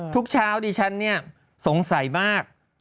ทุกเช้าดิฉันเนี่ยสงสัยมาก